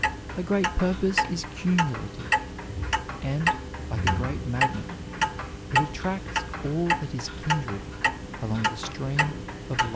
A great purpose is cumulative; and, like a great magnet, it attracts all that is kindred along the stream of life.